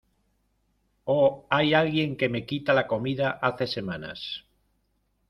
o hay alguien que me quita la comida hace semanas.